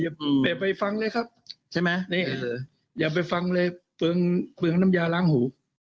อย่าไปฟังเลยครับใช่ไหมนี่อย่าไปฟังเลยเปลืองเปลืองน้ำยาล้างหู